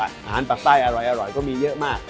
อาหารปากไส้อร่อยก็มีเยอะมาก